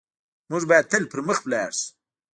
موږ بايد تل پر مخ لاړ شو.